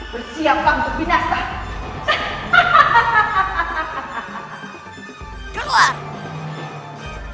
bersiap banget berbinasa